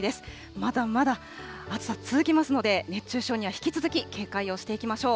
まだまだ暑さ続きますので、熱中症には引き続き、警戒をしていきましょう。